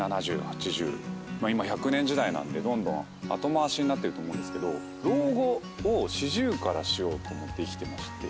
今１００年時代なんでどんどん後回しになってると思うんですけど老後を４０からしようと思って生きてまして。